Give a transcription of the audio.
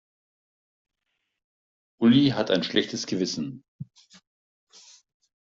Uli hat ein schlechtes Gewissen.